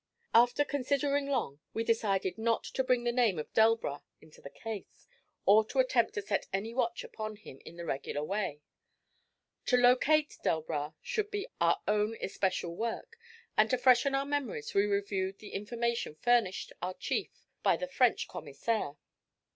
After considering long, we decided not to bring the name of Delbras into the case, or to attempt to set any watch upon him in the regular way. To 'locate' Delbras should be our own especial work, and to freshen our memories we reviewed the information furnished our chief by the French commissaire.